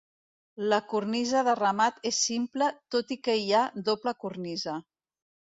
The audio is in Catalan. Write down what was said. La cornisa de remat és simple tot i que hi ha doble cornisa.